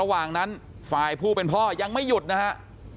ระหว่างนั้นฝ่ายผู้เป็นพ่อยังไม่หยุดนะฮะ